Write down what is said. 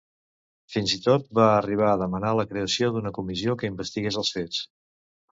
Fins i tot va arribar a demanar la creació d'una comissió que investigués els fets.